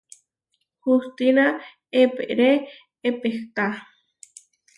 Hustína eeperé epehtá.